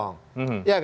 kan pasti tahu dong